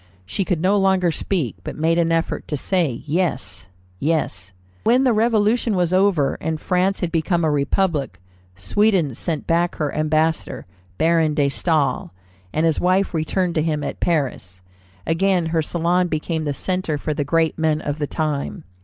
She could no longer speak, but made an effort to say 'yes, yes.'" When the Revolution was over, and France had become a republic, Sweden sent back her ambassador, Baron de Staël, and his wife returned to him at Paris. Again her salon became the centre for the great men of the time.